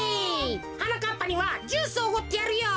はなかっぱにはジュースをおごってやるよ。